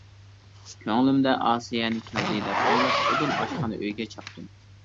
كۆڭلۈمدە ئاسىيەنى كەلدى دەپ ئويلاپ ئۇدۇل ئاشخانا ئۆيگە چاپتىم.